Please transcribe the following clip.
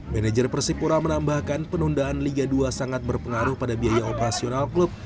manajer persipura menambahkan penundaan liga dua sangat berpengaruh pada biaya operasional klub